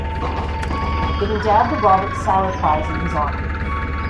It endowed the Robert Sauer Prize in his honor.